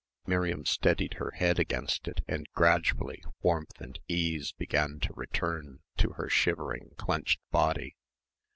Miriam steadied her head against it and gradually warmth and ease began to return to her shivering, clenched body.